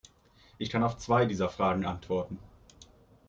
Ich kann auf zwei dieser Fragen antworten.